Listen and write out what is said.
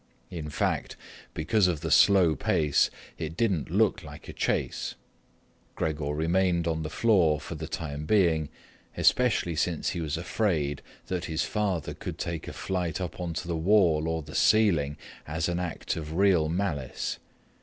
In fact, because of the slow pace, it didn't look like a chase. Gregor remained on the floor for the time being, especially since he was afraid that his father could take a flight up onto the wall or the ceiling as an act of real malice.